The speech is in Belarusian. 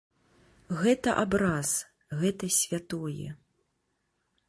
Гэта абраз, гэта святое.